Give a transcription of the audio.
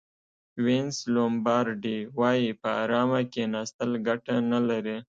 وینس لومبارډي وایي په ارامه کېناستل ګټه نه لري.